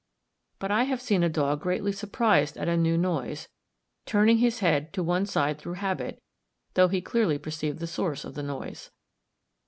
But I have seen a dog greatly surprised at a new noise, turning, his head to one side through habit, though he clearly perceived the source of the noise.